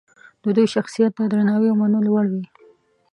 د دوی شخصیت د درناوي او منلو وړ وي.